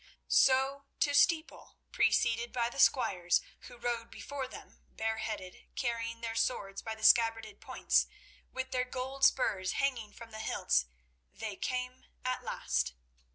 So to Steeple, preceded by the squires, who rode before them bareheaded, carrying their swords by the scabbarded points, with their gold spurs hanging from the hilts, they came at last.